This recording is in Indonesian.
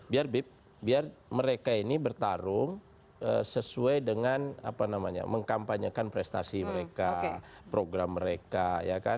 biar mereka ini bertarung sesuai dengan apa namanya mengkampanyekan prestasi mereka program mereka ya kan